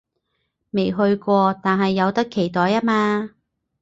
未去過，但係有得期待吖嘛